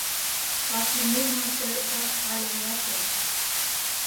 Вашлийме марте жап але ятыр.